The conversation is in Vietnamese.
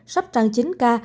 sắp tràn chín ca